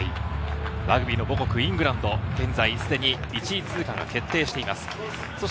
ラグビーの母国イングランド、現在、既に１位通過が決定しています。